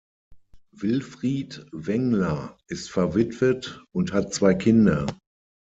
Wilfried Wengler ist verwitwet und hat zwei Kinder.